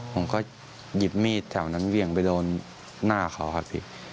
ผมก็หยิบมีดแถวนั้นเวี่ยงไปโดนหน้าเขาครับพี่